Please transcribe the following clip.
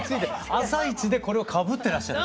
朝いちでこれをかぶってらっしゃる？